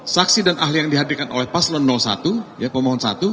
saksi dan ahli yang dihadirkan oleh paslon satu pemohon satu